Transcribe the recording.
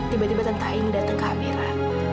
tiba tiba tenta ini datang ke amira